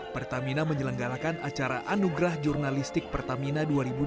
pertamina menyelenggarakan acara anugerah jurnalistik pertamina dua ribu dua puluh